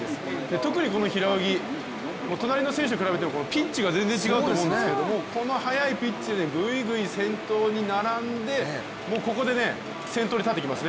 特に平泳ぎ、隣の選手と比べてもピッチが全然違うと思うんですけどもこの速いピッチでぐいぐい先頭に並んでここで先頭に立ってきますね。